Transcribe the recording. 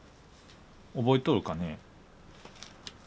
覚えとるかね？